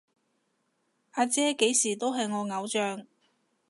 阿姐幾時都係我偶像